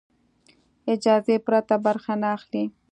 اجازې پرته برخه نه اخلي.